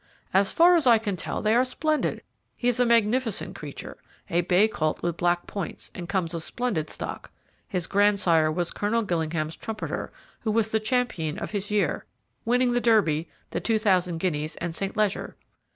"As far as I can tell, they are splendid. He is a magnificent creature, a bay colt with black points, and comes of a splendid stock. His grandsire was Colonel Gillingham's Trumpeter, who was the champion of his year, winning the Derby, the Two Thousand Guineas, and St. Leger.